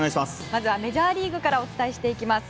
まずはメジャーリーグからお伝えします。